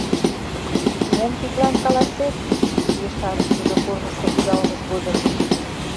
Мом тидлан каласет? — ешарыш тудо корнышто кудалмыж годым.